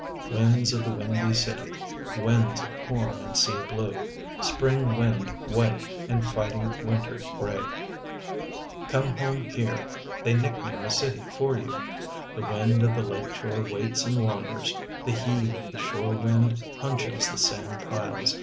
Winds of the Windy City, Winds of corn and sea blue, Spring wind white and fighting winter gray. Come home here — they nickname a city for you. The wind of the lake shore waits and wanders. The heave of the shore wind hunches the sand piles.